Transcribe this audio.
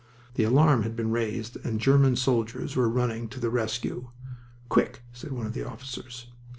The alarm had been raised and German soldiers were running to the rescue. "Quick!" said one of the officers.